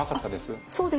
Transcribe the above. そうですか。